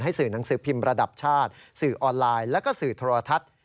สื่อหนังสือพิมพ์ระดับชาติสื่อออนไลน์แล้วก็สื่อโทรทัศน์